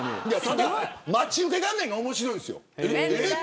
待ち受け画面が面白いんですよ。